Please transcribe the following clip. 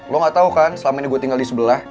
lo gak tau kan selama ini gue tinggal di sebelah